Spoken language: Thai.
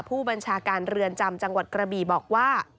ผู้บัญชาการเรือนจำจังหวัดกระบีบอกว่า